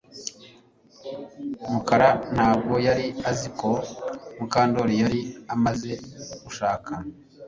Mukara ntabwo yari azi ko Mukandoli yari amaze gushaka